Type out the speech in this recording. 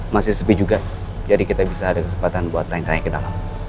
masih sepi juga jadi kita bisa ada kesempatan buat lain tanya ke dalam